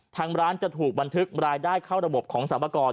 ทางร้านจะถูกบันทึกรายได้เข้าระบบของสรรพากร